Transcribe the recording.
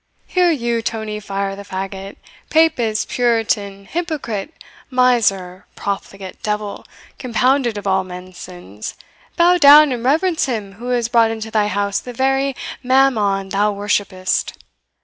Here, you, Tony Fire the Fagot, Papist, Puritan, hypocrite, miser, profligate, devil, compounded of all men's sins, bow down and reverence him who has brought into thy house the very mammon thou worshippest."